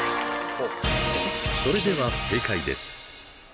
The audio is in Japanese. それでは正解です。